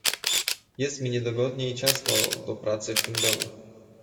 "jest mi niedogodnie i ciasno do pracy w tym domu."